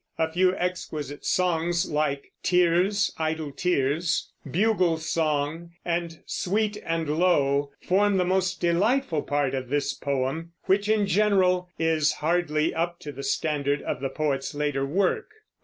A few exquisite songs, like "Tears, Idle Tears," "Bugle Song," and "Sweet and Low," form the most delightful part of this poem, which in general is hardly up to the standard of the poet's later work.